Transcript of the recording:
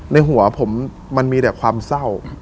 ในหัวผมมันมีแต่ความเศร้า